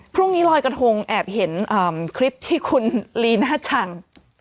ลอยกระทงแอบเห็นคลิปที่คุณลีน่าชัง